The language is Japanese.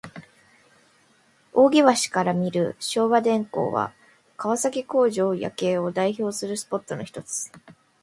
扇橋から見る昭和電工は、川崎工場夜景を代表するスポットのひとつ。